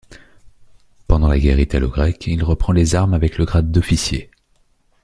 Pendant la guerre italo-grecque, il reprend les armes avec le grade d'officier.